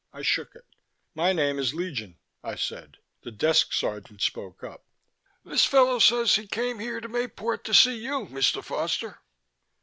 I shook it. "My name is Legion," I said. The desk sergeant spoke up. "This fellow says he come here to Mayport to see you, Mr. Foster."